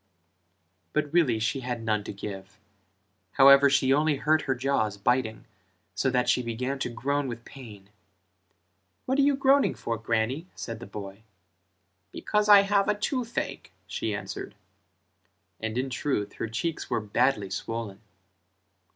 But really she had none to give, however she only hurt her jaws biting so that she began to groan with pain: "What are you groaning for, Grannie?" said the boy; "Because I have toothache" she answered: and in truth her cheeks were badly swollen.